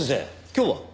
今日は？